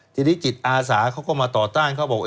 ทีนี้จิตอาสาเขาก็มาต่อต้านเขาบอก